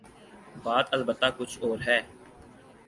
بات البتہ کچھ اور ہے۔